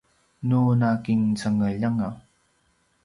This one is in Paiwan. nu nakincengeljanga